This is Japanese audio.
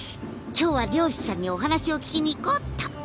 今日は漁師さんにお話を聞きにいこうっと。